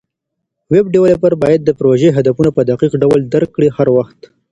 ویب ډیولپر باید د پروژې هدفونه په دقیق ډول درک کړي هر وخت.